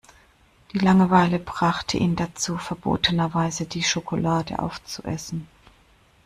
Die Langeweile brachte ihn dazu, verbotenerweise die Schokolade auf zu essen.